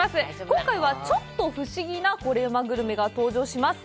今回はちょっと不思議なコレうまグルメが登場します。